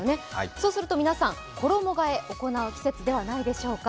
そうすると皆さん衣がえ行う季節ではないでしょうか。